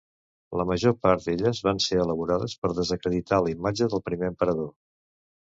La major part d'elles van ser elaborades per desacreditar la imatge del primer emperador.